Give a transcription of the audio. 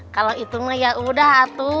kalau itu mah yaudah